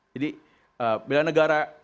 jadi bela negara